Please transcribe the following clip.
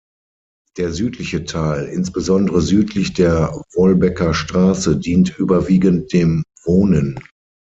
Der südliche Teil, insbesondere südlich der "Wolbecker Straße", dient überwiegend dem Wohnen.